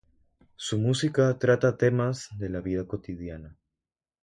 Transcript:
Su música trata temas de la vida cotidiana.